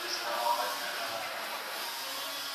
د مرييتوب سيستم له ډير وخته ختم سوی دی.